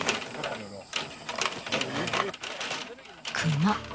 クマ。